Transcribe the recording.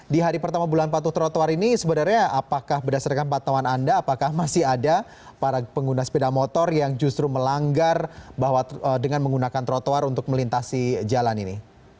di hari pertama bulan patuh trotoar ini sebenarnya apakah berdasarkan pantauan anda apakah masih ada para pengguna sepeda motor yang justru melanggar bahwa dengan menggunakan trotoar untuk melintasi jalan ini